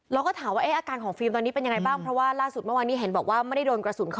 เราก็ถามว่าอาการของฟิล์มตอนนี้เป็นอย่างไรบ้าง